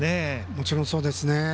もちろんそうですね。